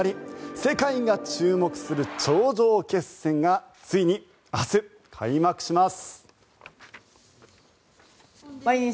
世界が注目する頂上決戦がついに明日、開幕します。